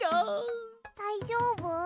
だいじょうぶ？